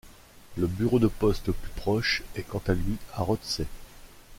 Le bureau de poste le plus proche est quant à lui à Rothesay.